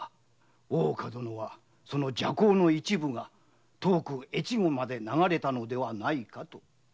大岡殿はその麝香の一部が遠く越後まで流れたのではないかと見ておられるのだ。